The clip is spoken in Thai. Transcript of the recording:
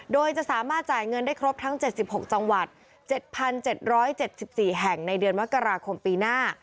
โดยจะสามารถจ่ายเงินได้ครบทั้ง๗๖จังหวัด๗๗๔แห่งในเดือนมกราคมปีหน้า